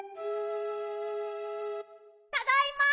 ただいま！